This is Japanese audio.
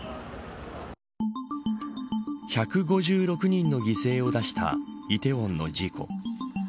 １５６人の犠牲を出した梨泰院の事故。